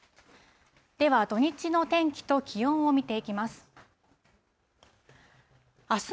では、土日の天気と気温を見ていきます。